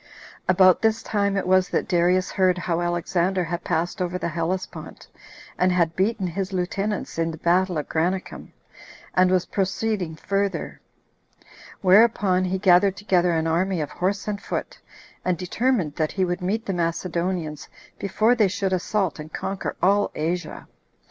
3. About this time it was that Darius heard how Alexander had passed over the Hellespont, and had beaten his lieutenants in the battle at Granicum, and was proceeding further; whereupon he gathered together an army of horse and foot, and determined that he would meet the Macedonians before they should assault and conquer all Asia.